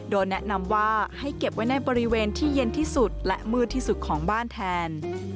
โดยแนะนำว่าให้เก็บไว้ในบริเวณที่เย็นที่สุดและมืดที่สุดของบ้านแทน